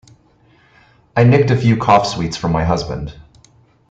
I nicked a few cough sweets from my husband.